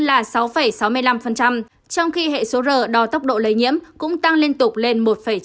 là sáu sáu mươi năm trong khi hệ số r đo tốc độ lấy nhiễm cũng tăng liên tục lên một chín mươi bốn